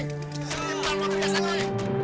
tembak ini keras sekali